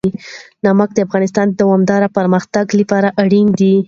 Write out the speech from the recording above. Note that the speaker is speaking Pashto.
نمک د افغانستان د دوامداره پرمختګ لپاره اړین دي.